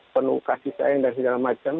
penuh kasih sayang dan segala macam